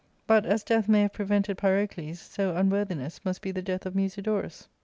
But, as death may have prevented Pyrocles^ so unworthiness must be the death of Musidorus.